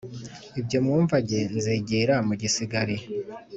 Ibyo mwumva ge nzigira mu Gisigari